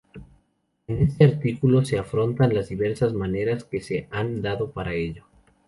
En este artículo se afrontan las diversas maneras que se han dado para ello.